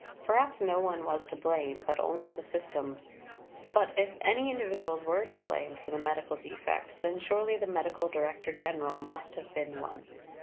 Perhaps no one was to blame, but only the system; but if any individuals were to blame for the medical defects, then surely the Medical Director General must have been one.